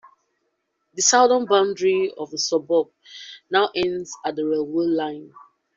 The southern boundary of the suburb now ends at the railway line.